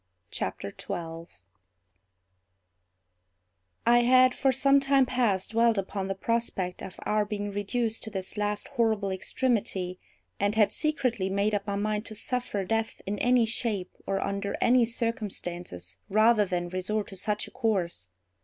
CHAPTER 12 I had for some time past, dwelt upon the prospect of our being reduced to this last horrible extremity, and had secretly made up my mind to suffer death in any shape or under any circumstances rather than resort to such a course.